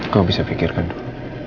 kamu bisa pikirkan dulu